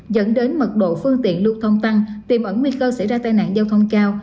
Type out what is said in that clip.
dẫn đến mật độ phương tiện lưu thông tăng tiềm ẩn nguy cơ xảy ra tai nạn giao thông cao